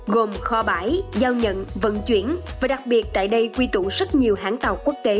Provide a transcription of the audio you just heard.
gồm kho bãi giao nhận vận chuyển và đặc biệt tại đây quy tụ rất nhiều hãng tàu quốc tế